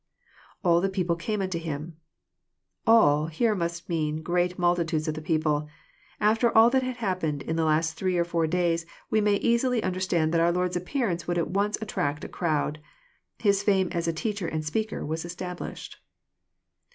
[All Hie people came unto IBm.] <* All " here must mean great multitudes of the people. After all that had happened In the last three or four days, we may easily understand that our Lord's appearance would at once attract a crowd. His fame as a teacher and speaker was established.